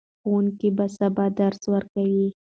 ښوونکي به سبا درس ورکوي.